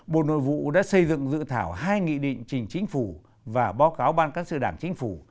bộ nội vụ đã xây dựng dự thảo hai nghị định trình chính phủ và báo cáo ban cán sự đảng chính phủ